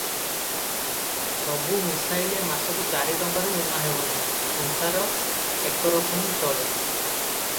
ସବୁ ମିଶାଇଲେ ମାସକୁ ଚାରି ଟଙ୍କାରୁ ଊଣା ହେବ ନାହିଁ, ସଂସାର ଏକରକମ ଚଳେ।